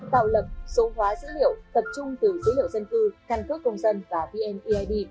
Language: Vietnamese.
tạo lập số hóa dữ liệu tập trung từ dữ liệu dân cư căn cứ công dân và pnpid